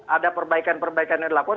ada perbaikan perbaikan yang dilakukan